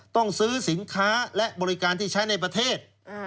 ต้องซื้อสินค้าและบริการที่ใช้ในประเทศ